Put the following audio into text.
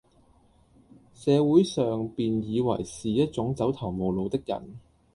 社會上便以爲是一種走投無路的人，